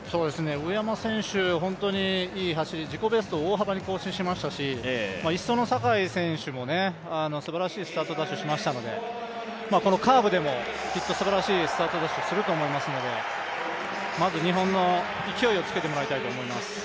上山選手、本当にいい走り自己ベストを大幅に更新しましたし１走の坂井選手も素晴らしいスタートダッシュをしましたのでカーブでもきっとすばらしいスタートダッシュをすると思いますのでまず日本の勢いをつけてもらいたいと思います。